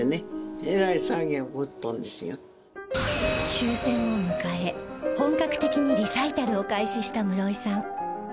終戦を迎え本格的にリサイタルを開始した室井さん